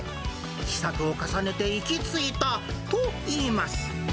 試作を重ねて行き着いたといいます。